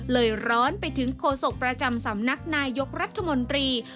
ร้อนไปถึงโฆษกประจำสำนักนายยกรัฐมนตรี